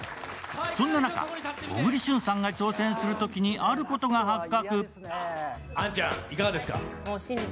そんな中、小栗旬さんが挑戦するときにあることが発覚。